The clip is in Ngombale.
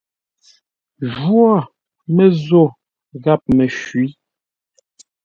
Jwó Mə́zô gháp Məshwî.